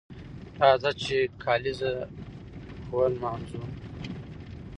راځه چې کالیزه ونمانځو